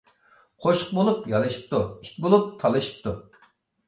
قوشۇق بولۇپ يالىشىپتۇ، ئىت بولۇپ تالىشىپتۇ.